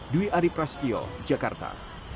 dwi ari prasetyo jakarta